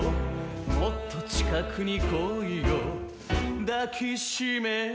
「もっと近くに来いよ抱きしめてやる」